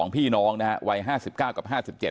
๒พี่น้องนะครับวัย๕๙กับ๕๗